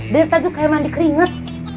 daripada kayak mandi keringet